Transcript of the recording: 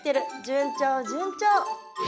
順調順調。